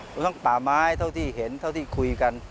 เราต้องต่าม้ายเท่าที่เห็นเท่าที่คุยกัน